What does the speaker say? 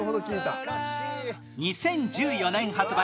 ２０１４年発売